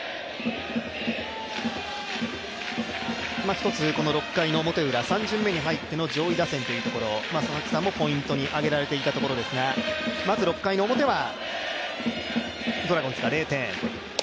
１つ６回の表ウラ、３巡目に入っての上位打線というところを佐々木さんもポイントに挙げていたところですがまず６回表は、ドラゴンズが０点。